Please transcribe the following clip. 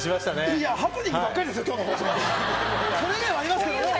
いや、ハプニングばっかりですよ、きょうの放送は。それ以外もありますけども。